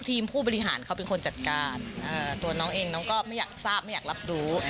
ผู้บริหารเขาเป็นคนจัดการตัวน้องเองน้องก็ไม่อยากทราบไม่อยากรับรู้